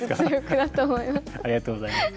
ありがとうございます。